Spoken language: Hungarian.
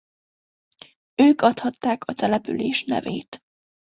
Ők adhatták a település nevét.